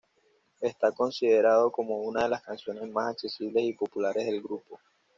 Está considerado como una de las canciones más accesibles y populares del grupo.